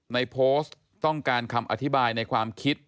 ในโพสต์ต้องการคำอธิบายในความคิด